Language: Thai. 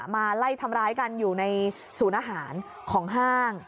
มาไล่ทำร้ายกันอยู่ในศูนย์อาหารของห้าง